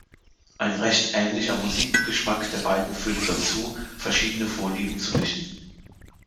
Ein recht ähnlicher Musikgeschmack der beiden führte dazu, verschiedene Vorlieben zu mischen.